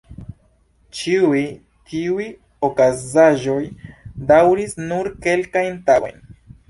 Ĉiuj tiuj okazaĵoj daŭris nur kelkajn tagojn.